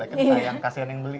sayang kasihan yang beli